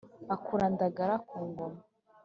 akura ndagara ku ngoma.